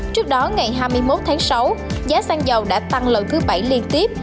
trước đó ngày hai mươi một tháng sáu giá xăng dầu đã tăng lần thứ bảy liên tiếp